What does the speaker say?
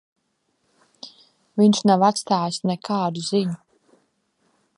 Viņš nav atstājis nekādu ziņu.